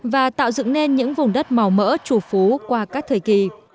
và tạo dựng nên những vùng đất màu mỡ chủ phú qua các thời kỳ